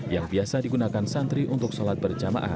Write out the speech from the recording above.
yang biasa digunakan santri untuk sholat berjamaah